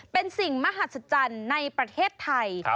เป็นสิ่งมหัศจรรย์ในประเทศไทย